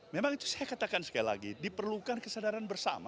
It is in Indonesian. memang itu saya katakan sekali lagi diperlukan kesadaran bersama